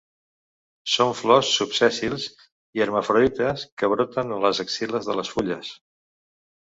Són flors subsèssils i hermafrodites que broten a les axil·les de les fulles.